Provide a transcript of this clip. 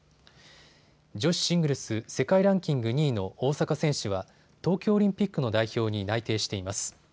女子シングルス世界ランキング２位の大坂選手は東京オリンピックの代表に内定しています。